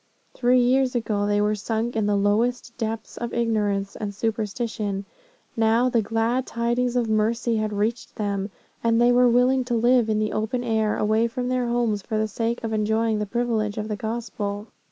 Three years ago they were sunk in the lowest depths of ignorance and superstition. Now the glad tidings of mercy had reached them, and they were willing to live in the open air, away from their homes, for the sake of enjoying the privileges of the Gospel.